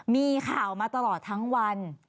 มีข่าวมาตลอดทั้งวัน